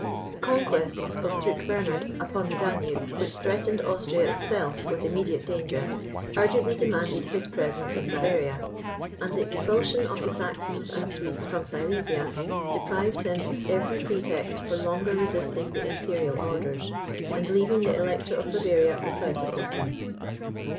The conquests of Duke Bernard upon the Danube, which threatened Austria itself with immediate danger, urgently demanded his presence in Bavaria; and the expulsion of the Saxons and Swedes from Silesia, deprived him of every pretext for longer resisting the Imperial orders, and leaving the Elector of Bavaria without assistance.